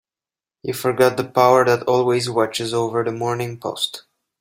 You forget the power that always watches over the Morning Post.